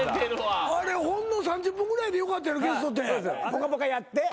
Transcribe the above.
『ぽかぽか』やって。